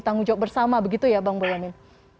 tanggung jawab bersama begitu ya bang boyamin